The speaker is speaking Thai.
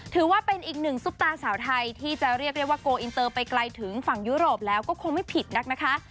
ถือว่าเป็นอีกหนึ่งซุปตาสาวไทยที่จะเรียกได้ว่าโกลอินเตอร์ไปไกลถึงฝั่งยุโรปแล้วก็คงไม่ผิดนักนะคะ